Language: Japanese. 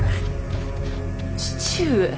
父上。